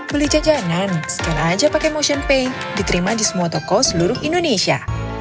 beli jajanan scan aja pakai motion pay diterima di semua toko seluruh indonesia